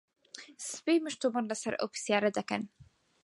سبەی مشتومڕ لەسەر ئەو پرسیارە دەکەن.